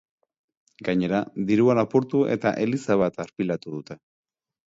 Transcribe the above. Gainera, dirua lapurtu eta eliza bat arpilatu dute.